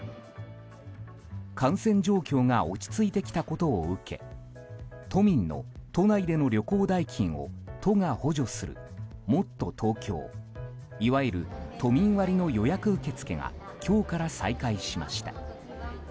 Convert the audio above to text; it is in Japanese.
感染状況が落ち着いてきたことを受け都民の都内での旅行代金を都が補助するもっとＴｏｋｙｏいわゆる都民割の予約受け付けが今日から再開しました。